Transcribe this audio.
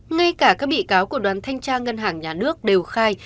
ngay cả các bị cáo của đoàn thanh tra ngân hàng nhà nước đều khai